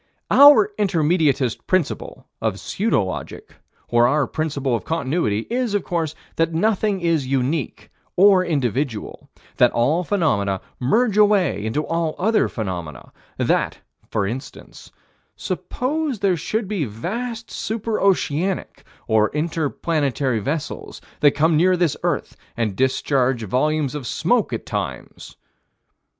Our Intermediatist principle of pseudo logic, or our principle of Continuity is, of course, that nothing is unique, or individual: that all phenomena merge away into all other phenomena: that, for instance suppose there should be vast celestial super oceanic, or inter planetary vessels that come near this earth and discharge volumes of smoke at times.